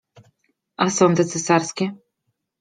A sądy cesarskie?